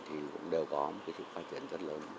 thì cũng đều có một cái sự phát triển rất lớn